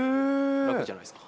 楽じゃないですか。